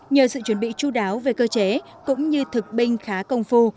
nhờ sự chuẩn bị chú đáo về cơ chế cũng như thực binh khá công phu